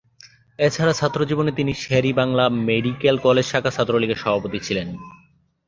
এছাড়া ছাত্রজীবনে তিনি Sher-e-Bangla medical college শাখা ছাত্রলীগের সভাপতি ছিলেন।